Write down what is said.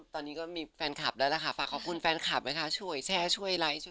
ตอนนี้ก็มีแฟนคลับแล้วล่ะค่ะฝากขอบคุณแฟนคลับนะคะช่วยแชร์ช่วยไลค์ช่วย